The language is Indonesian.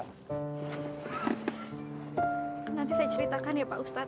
nanti saya ceritakan ya pak ustadz